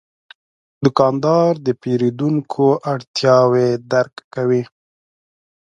دوکاندار د پیرودونکو اړتیاوې درک کوي.